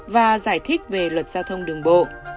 và giải thích về luật giao thông đường bộ